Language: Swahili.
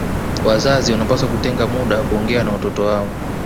Wazazi wanawapasa kutenga muda wa kuongea na watoto wao